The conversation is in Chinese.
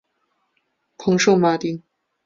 蓬圣马丁。